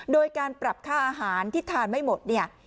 โดยการปรับค่าอาหารที่ทานไม่หมดเนี่ย